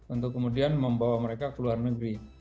untuk kemudian membawa mereka ke luar negeri